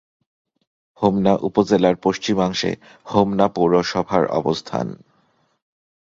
হোমনা উপজেলার পশ্চিমাংশে হোমনা পৌরসভার অবস্থান।